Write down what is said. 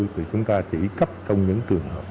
thì chúng ta chỉ cấp trong những trường hợp